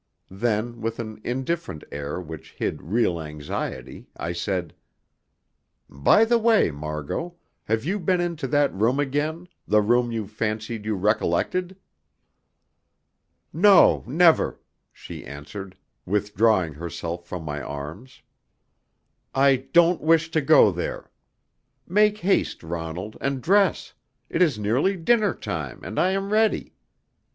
Then, with an indifferent air which hid real anxiety, I said: "By the way, Margot, have you been into that room again the room you fancied you recollected?" "No, never," she answered, withdrawing herself from my arms. "I don't wish to go there. Make haste, Ronald, and dress. It is nearly dinner time, and I am ready."